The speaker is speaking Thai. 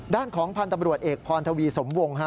ด้านของพันธ์ตำรวจเอกพรทวีสมวง